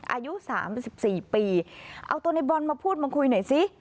อายุ๓๔ปีเอาตัวในบอลมาพูดมาคุยหน่อยสิ